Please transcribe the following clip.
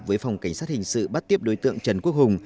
với phòng cảnh sát hình sự bắt tiếp đối tượng trần quốc hùng